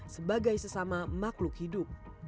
sebagai sesama makhluk hidup